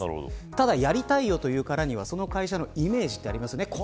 ただやりたいよというからにはその会社のイメージがありますよね。